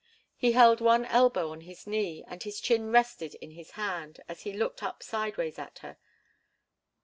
He held one elbow on his knee and his chin rested in his hand, as he looked up sideways at her.